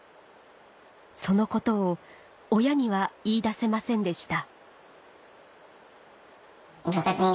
そのことを親には言い出せませんでした